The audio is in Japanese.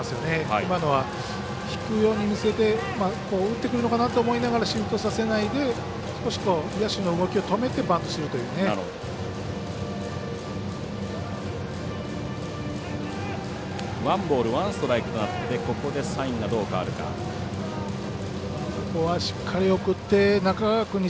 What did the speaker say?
今のは引くように見せて打ってくるのかなと思いながらシフトさせないで少し野手の動きを止めてバントするというようなね。